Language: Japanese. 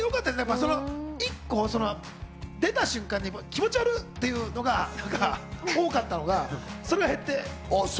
一個出た瞬間に気持ちわる！っていうのが多かったのが、それが減って。